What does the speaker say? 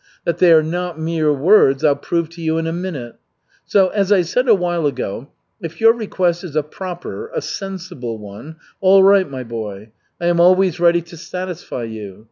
That they are not mere words I'll prove to you in a minute. So, as I said a while ago, if your request is a proper, a sensible one, all right, my boy. I am always ready to satisfy you.